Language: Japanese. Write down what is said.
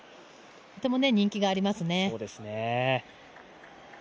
とても人気がありますね。